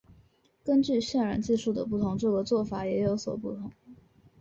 根据渲染技术的不同这个做法也有所不同。